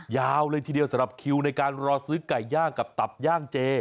ยาวเลยทีเดียวสำหรับคิวในการรอซื้อไก่ย่างกับตับย่างเจ